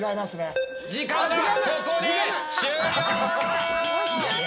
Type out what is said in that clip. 時間がここで終了！